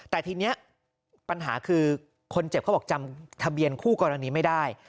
แต่ทีนี้ปัญหาคือคนเจ็บเขาบอกจำทะเบียนคู่กรณีไม่ได้